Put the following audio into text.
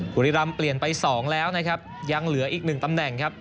บุรีรำเปลี่ยนไป๒แล้วนะครับยังเหลืออีกหนึ่งตำแหน่งครับ